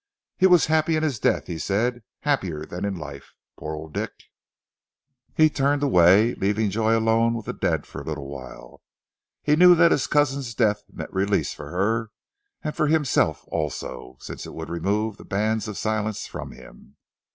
"He was happy in his death," he said, "happier than in life. Poor old Dick!" He turned away, leaving Joy alone with the dead for a little while. He knew that his cousin's death meant release for her, and for himself also, since it would remove the bands of silence from him.